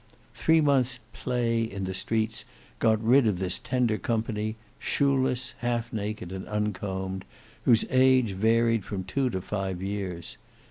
Three months' "play" in the streets got rid of this tender company,—shoeless, half naked, and uncombed,—whose age varied from two to five years.